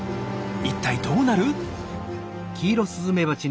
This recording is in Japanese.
一体どうなる？